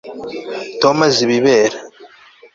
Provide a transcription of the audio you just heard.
Tom azi ibibera